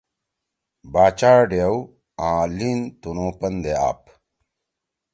باچا ڈیؤ آں لین تنُو پن دے آپ۔